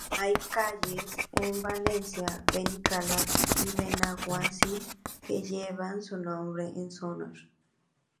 Hay calles en Valencia, Benicalap y Benaguacil que llevan su nombre en su honor.